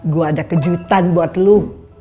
gua ada kejutan buat lu